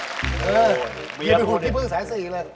เต็มหัวที่ดอกสายสี่